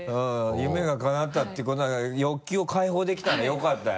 夢がかなったっていうことは欲求を解放できたんでよかったよ。